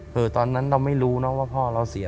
คือตอนนั้นเราไม่รู้นะว่าพ่อเราเสีย